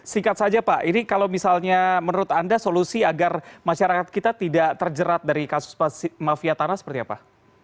singkat saja pak ini kalau misalnya menurut anda solusi agar masyarakat kita tidak terjerat dari kasus mafia tanah seperti apa